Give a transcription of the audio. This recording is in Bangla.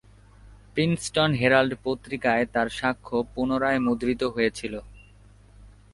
প্রিন্সটন হেরাল্ড পত্রিকায় তার সাক্ষ্য পুনরায় মুদ্রিত হয়েছিল।